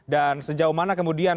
dan sejauh mana kemudian